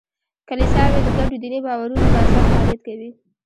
کلیساوې د ګډو دیني باورونو په اساس فعالیت کوي.